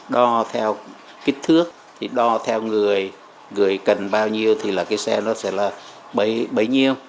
đo theo kích thước thì đo theo người người cần bao nhiêu thì là cái xe nó sẽ là bấy nhiêu